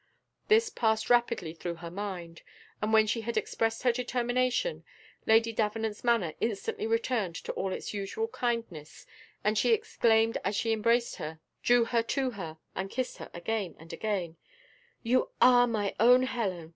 This passed rapidly through her mind; and when she had expressed her determination, Lady Davenant's manner instantly returned to all its usual kindness, and she exclaimed as she embraced her, drew her to her, and kissed her again and again "You are my own Helen!